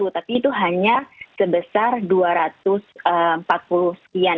tapi itu hanya sebesar dua ratus empat puluh sekian